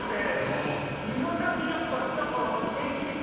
いまだにやっぱ。